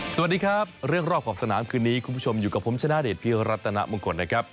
สวัสดีครับเรื่องรอบขอบสนามคืนนี้คุณผู้ชมอยู่กับผมชนะเดชพิรัตนมงคลนะครับ